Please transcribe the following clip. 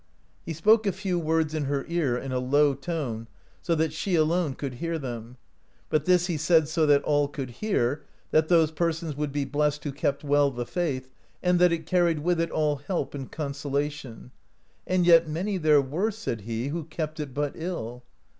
He spoke a few words in her ear, in a low tone, so that she alone could hear them ; but this he said so that all could hear, that those persons would be blessed who kept well the faith, and that it carried with it all help and consolation, and yet many there were, said he, who kept it but ill.